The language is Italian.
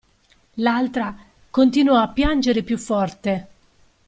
L'altra continuò a piangere più forte.